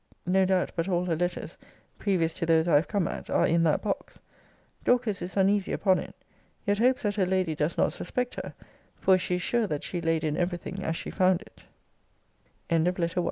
No doubt but all her letters, previous to those I have come at, are in that box. Dorcas is uneasy upon it: yet hopes that her lady does not suspect her; for she is sure that she laid in every